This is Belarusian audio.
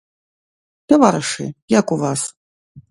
Таварышы, як у вас?